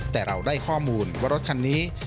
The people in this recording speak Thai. แต่เราได้ข้อมูลว่ารถคันนี้